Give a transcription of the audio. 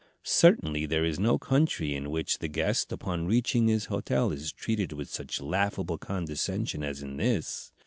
"Certainly there is no country in which the guest upon reaching his hotel is treated with such laughable condescension as in this.